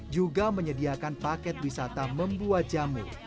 juga menyediakan paket wisata membuat jamu